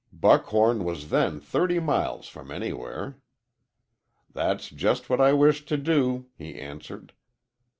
Buckhorn was then thirty miles from anywhere. "'That's just what I wish to do,' he answered.